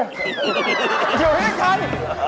เห็นลิงขนาดเดียวกัน